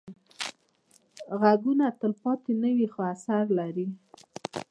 غږونه تلپاتې نه وي، خو اثر لري